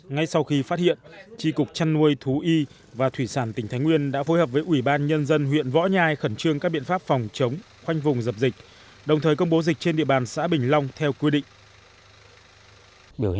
ngay sau khi phát hiện tri cục trăn nuôi thú y và thủy sản tỉnh thái nguyên đã phối hợp với ủy ban nhân dân huyện võ nhai khẩn trương các biện pháp phòng chống khoanh vùng dập dịch đồng thời công bố dịch trên địa bàn xã bình long theo quy định